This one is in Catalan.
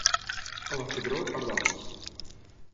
A la Febró, pardals.